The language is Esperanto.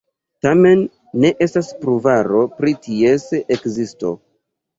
Tamen, ne estas pruvaro pri ties ekzisto.